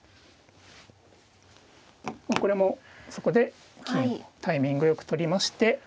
まあこれもそこで金をタイミングよく取りまして。